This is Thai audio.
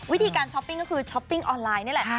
วิธีการช้อปปิ้งก็คือช้อปปิ้งออนไลน์นี่แหละ